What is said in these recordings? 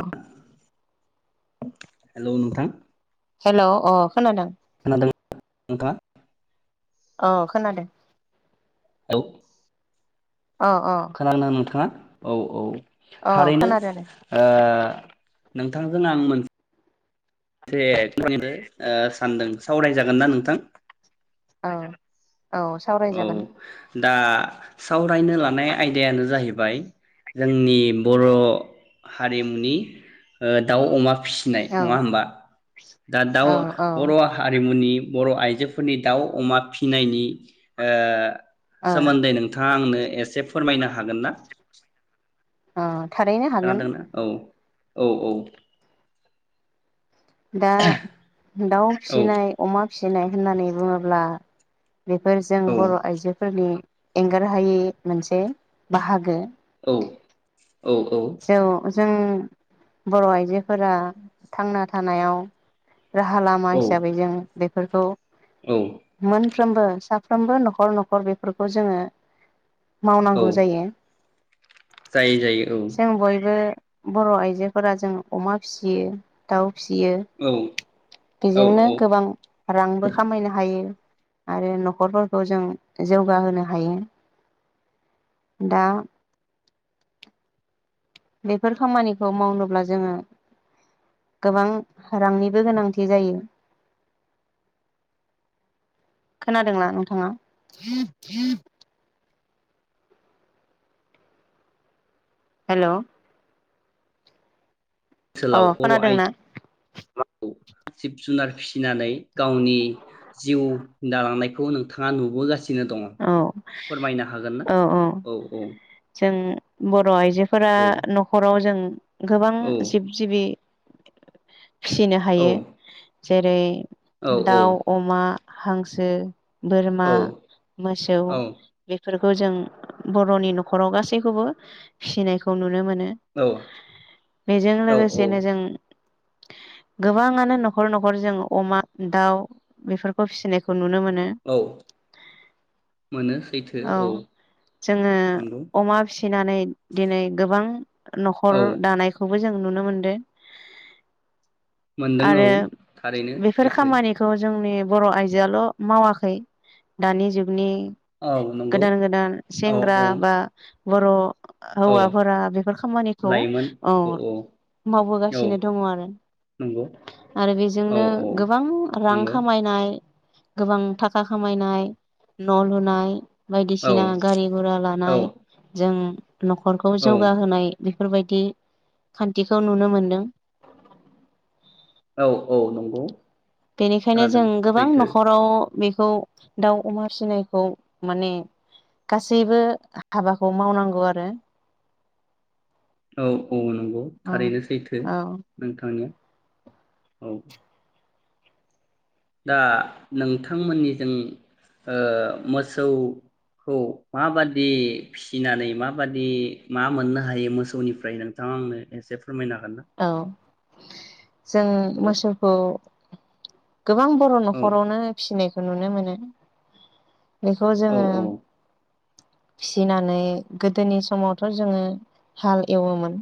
The [inaudible] [unintelligible] hell नोंथां। हेल अ खोनादों? [inaudible] [unintelligible] औ खोनादों। औ अ अ खोनादों नोंथाङा? औ औ अ थारैनो खोनादों दे अ नोंथांजों आं मोनसे [inaudible] [unintelligible] खनिनो सानदों सावरायजागोन ना नोंथां? औ औ औ सावरायजागोन। दा सावरायनो लानाय आयदायानो जाहैबाय जोंनि बर' हारिमुनि ओ दाउ, अमा फिनाय औ नङा होमबा? दा दाउ औ औ बर' हारिमुनि बर' आइजोफोरनि दाउ, अमा फिनायनि ओ औ सोमोन्दै नोंथाङा आंनो एसे फोरमायनो हागोन ना? अ। खोनादोंना? औ। औ औ। दा दाउ औ फिसिनाय अमा फिसिनाय होननानै बुङोब्ला बेफोर जों औ बर' आइजोफोरनि एंगारहायि मोनसे बाहागो। औ [inaudible] जों बर' आइजोफोरा थांना थानायाव राहा लामा औ हिसाबै जों बेफोरखौ औ। फ्रोमबो साफ्रोमबो न'खर न'खर बेफोरखौ जोङो औ मावनांगौ जायो। जायो जायो औ। जों बयबो बर' आइजोफोरा जों अमा फिसियो दाउ फिसियो औ बेजोंनो औ गोबां रांबो खामायनो हायो। आरो न'खरफोरखौ जों जौगाहोनो हायो। दा बेफोर खामानिखौ मावनोब्ला जोङो गोबां रांनिबो गोनांथि जायो। खोनादोंना नोंथाङा? हेलौ। ओनसोलाव बर' आइ खोनादोंना [unintelligible] खौ जिब जुनार फिसिनानै गावनि जिउ दालांनायखौ नोंथाङा नुबोगासि नो दङ औ फोरमायनो हागोन ना? औ औ। ब र' आइजोफोरा औ न'खराव जों गोबां जिब जिबि फिसिनो औ हायो । औ जेरै दाउ अमा हांस सो बोरमा औ मोसौ बे फोरफोरखौ जों बर'नि न'खराव गासैखौबो फिसिनायखौ नुनो मोन नो बेजों औ लोगोसेनो जों गोबाङानो न'खर न'खर जों अमा दाउ बेफोरखौ फिसिनायखौ नुनो मोन औ मोनो सैथो औ जोङो नंगौ अमा फिसिनानै दिनै गो बां न'खर औ दानायखौबो जों नुनो मोनदो। मोनदों औ आरो थारैनो बेफोर सैथो खामानिखौ जोंनि बर' आइजोआल' मावाखै दानि जुगनि औ नंगौ गोदान गोदान औ सेंग्रा औ बा बर' औ हौवाफोरा बेफोर खामानिखौ औ औ मावबोगासिनो दङ'आरो नंगौ आरो औ बेजोंनो औ गोबां रां नंगौ खामायनाय गोबां थाखा खामायनाय न' लुनाय औ बायदिसिना गारि गुरा औ लानाय जों न'खरखौ जौगाहोनाय बेफोरबायदि खान्थिखौ नुनो मोनदों। औ औ नोंगौ बेनिखायनो जों गोबां न'खराव बेखौ दाउ अमा फिसिनायखौ माने गासैबो हाबाखौ मावनांगौ आरो औ औ नों गौ औ थारैनो सैथो औ नोंथांनिया औ दा नोंथांमोननिजों ओ मोसौ खौ माबादि फिसिनानै माबादि मा मोननो हायो मोसौनिफ्राय नोंथाङा आंनो एसे फोरमायनो हागोन ना? औ जों औ मोसौखौ गोबां बर' औ न'खरावनो फिसिनायख नुनो मोनो। बेखौ औ जोङो औ फिसिनानै गोदोनि समावथ' जोङो हाल एवोमोन।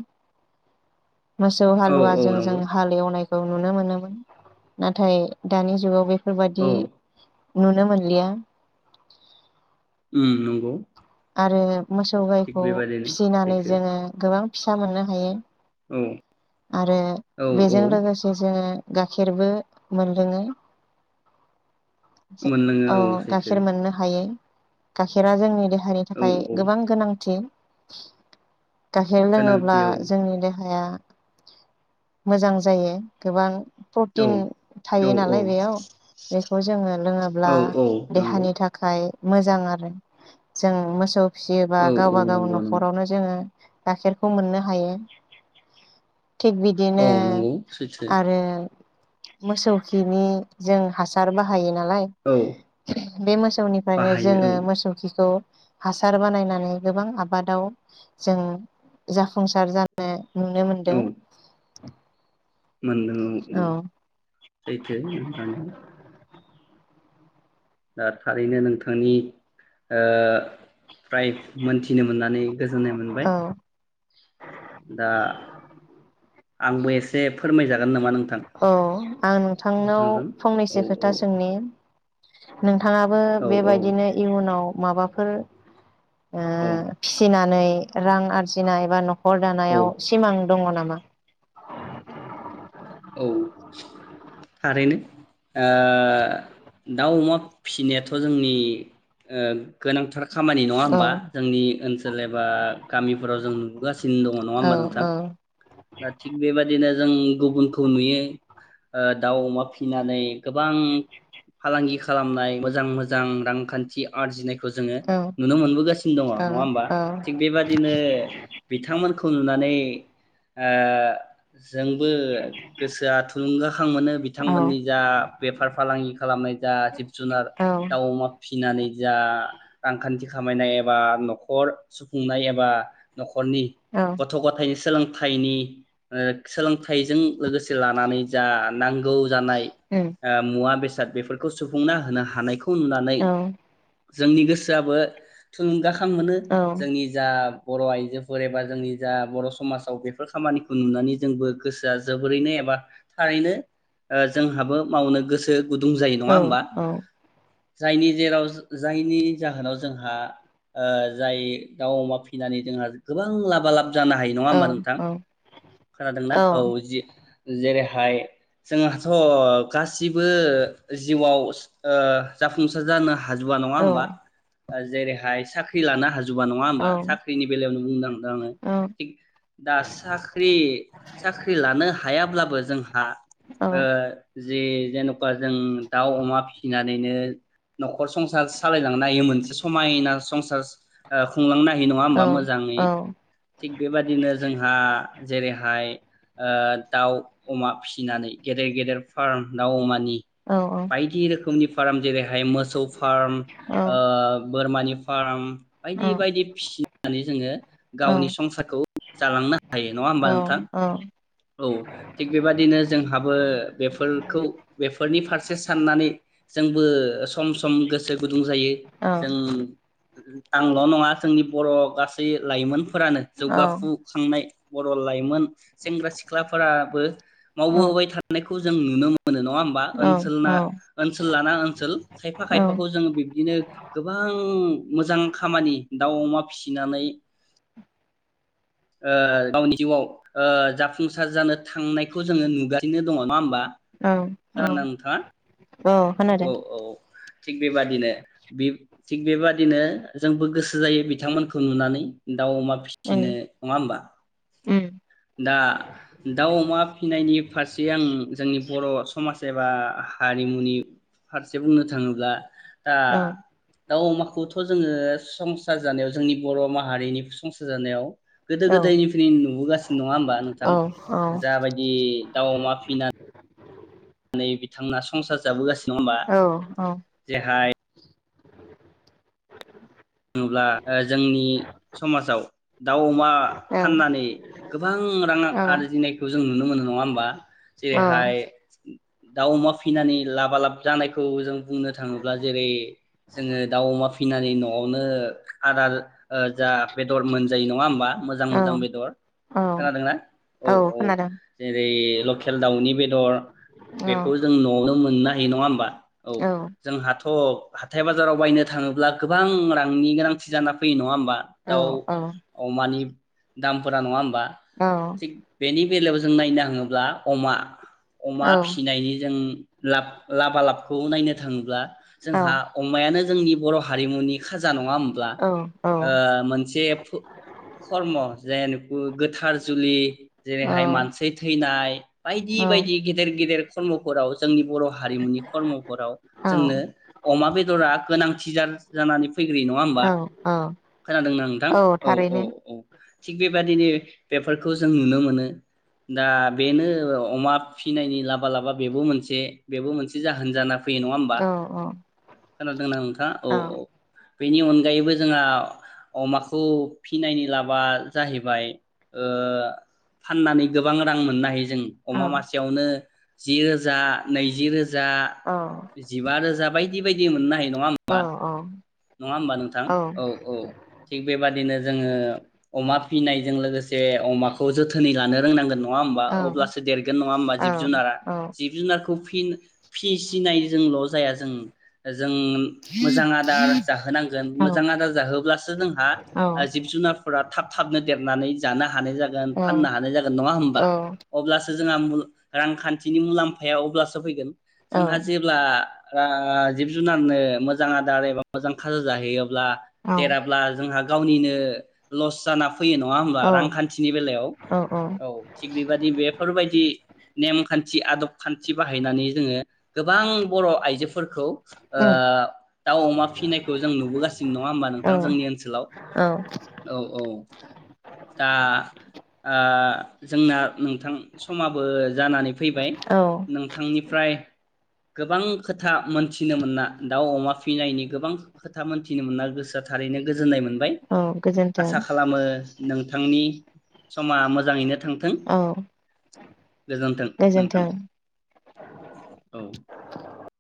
मोसौ औ हालुवाजों औ जों नंगौ हाल एवनाय खौ नुनो मोनोमोन। नाथाय दानि जुगाव बे फोरबायदि औ नुनो मोनलिया। उम नंगौ। आरो मोसौ थिग गाइखौ बेबादिनो फिसिनानै सैथो जोङो गोबां फिसा मोननो हायो। औ। आरो औ औ बेजों लोगोसे जोङो गाखेरबो मोनलोङो। मोनलोङो औ सैथो गाखेर मोननो हायो। गाखेरा जोंनि देहा देहानि औ थाखाय औ गोबां गोनांथि। [inaudible] गाखेर गोनांथि लोङोब्ला औ जोंनि देहाया मोजां जायो गोबां औ प्रटिन थायो औ नालाय बेयाव बेखौ जोङो लोङोब्ला औ औ नंगौ देहानि थाखाय मोजां आरो जों मोसौ फिसियोबा औ औ गावबा गाव नंगौ नंगौ न'खरावनो जोङो गाखेरखौ मोननो हायो। थिग बिदिनो औ नंगौ सैथो आरो मोसौ खिनि जों हासार बाहायो। नालाय औ बे मोसौनिफ्रायनो बाहायो जोङो औ मोसौ खिखौ हासार बानायनानै गोबां आबादाव जों जाफुंसार जानो नुनो मोनदों। औ [inaudible] मोनदों औ औ सैथो नोंथांनिया। दा थारैनो नोंथांनि ओ फ्राय मोनथिनो मोननानै गोजोननाय मोनबाय। औ दा आंबो एसे फोरमायजागोन नामा नोंथां औ आं नोंथांनाव नोंथांजों औ फंनैसो खोथा औ सोंनि नों नोंथाङाबो औ औ बेबायदिनो इयुनाव माबाफोर ओ औ फिसिनानै रां आरजिनाय बा न' खर औ दानायाव सिमां दङ नामा? [inaudible] औ थारैनो ओ दाव, अमा फिसिनायाथ' जोंनि ओ गोनांथार खामानि नङा औ होमबा जोंनि ओनसोल एबा गामिफोराव जों नुबोगासिनो दङ नङा औ होमबा नोंथां औ दा थिग बेबदिनो जों गुबुनखौ दिनो ओ दाउ अमा फिनानै गोबां फालांगि खालामनाय मोजां मोजां रांखान्थि आरजिनाय खो जोङो औ नुनो मोनबोगासिनो दङ औ नङा होमबा थिग बेबादिनो बिथांमोन खौ नुनानै ओ जोंबो गोसोया थुलुंगा खां मोनो औ बिथांमोननि जा बेफार फालांगि खालामनाय जा जिब जुनार औ दाउ अमा फि सिनानै जा रांखान्थि खामायनाय एबा न'खर सुफुंनाय एबा न' खरनि औ गथ' गथायनि सोलोंथाइनि ओ सोलोंथाइजों लोगोसे लानानै जा नां गौ जानाय उम ओ मुवा बे साद बेफोरखौ सुफुंना होनो हानायखौ फुननानै औ जोंनि गोसोआबो थुलुंगा खां मोनो औ जोंनि जा बर' आइजोफोर एबा जोंनि जा बर' समाजाव बेफोर खामानिखौ नुनानै जोंबो गोसोआ जोबोरैनो ए बा थारैनो ओ जोंहाबो मावनो गोसो गुदुं जायो औ नङा होमबा जायनि जेराव जायनि जाहोनाव जोंहा ओ जाय दाउ अमा फिसिनानै जोंहा गोबां लाबा लाब जानो हायो नङा औ होमबा नोंथां औ खोनादोंना औ जि जेरैहाय जोंहाथ' गासिबो जिउआव ओ जाफुंसार जानो हा हाजुबा नङा औ होमबा जेरैहाय साख्रि लानो हा जुबा नङा ओमबा साख्रिनि बेलायावनो बुंथांदों आङो औ थिग दा साख्रि साख्रि लानो हायाब्लाबो जों हा ओ औ जे जेन'का जों दाउ अमा फिसिनानैनो नख खर संसार सालायलांनो हायो मोनसे स समायना संसास ओ खुंलांनो हायो नङा औ ओमबा मोजाङै थिग बेबादिनो जोंहा जेरैहाय ओ दाउ अमा फिसिनानै गेदेर गेदेर फार्म दाउ अमानि बायदि रोखोमनिफ फार्म जेरैहा हाय मोसौ फार्म ओ बोरमानि फाराम बायदि बायदि फिसि नानै जोङो गावनि संसारखौ जालांनो हायो नङा ओमबा औ नोंथां? औ थिग बेबादिनो जोंहाबो बेफोरखौ बेफोरनि फारसे साननानै जोंबो सम सम गोसो गुदुं जायो जों आंल' नङा जोंनि बर' गासै लाइमोन फोरानो औ जौगाफु खांनाय बर' लाइमोन सेंग्रा सि ख्लाफोराबो औ मावबोबाय थानायख खौ जों नुनो मो मोनो नङा ओमबा औ ओनसोलना ओनसोल लाना ओनसोल खायफा औ खायफाखौ जोङो बिब्दिनो गोबां मोजां खामानि दाउ अमा फिसिनानै ओ गावनि जिउआव ओ जाफुंसार जानो थांनायखौ जोङो नुगासिनो दङ नङा ओमबा? औ औ खोनादोंना नोंथाङा औ औ खोनादों औ थिग बेबादिनो बिब थिग बेबादिनो जोंबो गोसो जायो बिथांमोनखौ नुनानै दाउ अमा उम फिसिनो नङा ओमबा? उम दा दाउ अमा फिनायनि फारसे आं जोंनि बर' समाज एबा हारिमुनि फारसे बुंनो थाङोब्ला दा औ दाउ अमाखौथ जोङो संसार जानायाव जोंनि बर माहारिनि संसार जानायाव गोदो औ गोदायनिफ्रायनो नुबोगासिनो नङा होमबा औ नोंथां जाबायदि दाउ अमा फिना नै बिथांमोना संसार जाबोगासिनो नङा औ होमबा जेरैहाय [inaudible] होनोब्ला ओ जोंनि समाजाव दाउ अमा औ फाननानै गोबां रां औ आरजिनायखौ जों नुनो मोनो नङा होमबा जेरैहाय दाउ अमा फिनानै लाबा लाब जानायखौ जों बुंनो थाङोब्ला जेरै जोङो दाउ अमा फिनानै न आवनो आदार ओ जा बेदर मोनजायो नङा होमबा मोजां मोजां बेदर खोनादोंना औ औ जेरै लकेल दाउनि बेदर औ औ बेखौ जों नआवनो मोननाय जायो नंङा होमबा औ जों हाथ अ हाथाय बाजाराव बायनो थांङोब्ला गो बां रांनि गोनांथि जाना फैयो नंङा होमबा दाउ औ औ अमानि दामफोरा नंङा होम बा औ थिग बेनि बेलायाव जों नायनो थांङोब्ला अमा अमा फिसिनायनि जों लाब लाबा लाबखौ नायनो थांङोब्ला जोंहा अमायानो जोंनि बर हारिमुनि खाजा नंङा नंङा होमब्ला ओ मोनसे खर्म जे गोथार जुलि जेरैहाय मानसि थैनाय बायदि बायदि गेदेर गेदेर [unintelligible] जोंनि बर हारिमुनि खर्मफोराव जोंनो अमा बेदरा गोनां [unintelligible] जानानै फैग्रोयो नंङा होमबा औ खोनादोंना नोंथां औ औ औ थिग बेबदिनो बेफोरखौ जों नुनो मोनो दा बेनो अमा फिनायनि लाबा लाबा बेबो मोनसे बेबो मोनसे जाहोन जाना फैयो नंङा होमबा औ औ खोनादों ना नोंथाङा औ अ बेनि अनगायैबो जोंहा अमाखौ फिनायनि लाबा जाहैबाय, ओ फाननानै गोबां रां मोननाय। जों औ अमा मासेयावनो। जि रोजा नैजि रोजा औ रोजा जिबा रोजा बायदि-बायदि मोननाय न होनबा औ औ नंङा होनबा नोंथां? औ-औ थिग बेबादिनो जोंङो आव अमा फिनायजों लोगोसे अमाखौ जोथोनै लानो रोंनांगोन नंङा होनबा? अब्लासो देरगोन नंङा? होमबा जिब जुनारा जिब जुनारखौ फि फिसिनायजोंल जाया जों। मोजां आदार जाहोनांगोन, मोजां आदार जाहोब्लासो जोंहा औ जिब जुनारफोरा थाब थाबनो देरनानै जानो हानाय जागोन। औ फाननो हानाय जागोन। नंङा औ होमबा? अब्लासो जोंहा रांखान्थिनि मुलाम्फाया अब्लासो फैगोन। औ जोंहा जेब्ला ओ जिब जुनारनो मोन मोजां आदार एबा मोजां खाजा जाहैयाव औ देराब्ला जोंहा गावनिनो लस जाना फैयो नङा होमब्ला औ रांखान्थिनि बेलायाव औ औ थिग बेबायदि बेफोरबायदि नेमखान्थि आदब खान्थि बाहायनानै जोङो, गोबां बर' आइजोफोरखौ ओ दाउ अमा फिसिनायखौ जों नुबोगासिनो नङा होमबा औ नोंथां? जोंनि ओनसोलाव औ औ दा। ओ जोंना नोंथां समाबो जानानै फैबाय औ नोंथांनिफ्राय गोबां खोथा मोनथिनो मोना दाउ अमा फिनायनि गोबां खोथा मोन्थिनो मोना गोसोआ थारैनो गोजोननाय मोनदों। बाय औ गोजोन्थों आसा खालामो नोंथांनि समा मोजाङैनो थांथों औ ।गोजोनथों नोंथां गोजोन्थों औ‌।